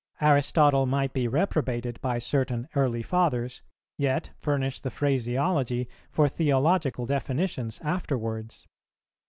Aristotle might be reprobated by certain early Fathers, yet furnish the phraseology for theological definitions afterwards.